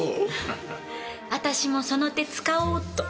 私もその手使おうっと。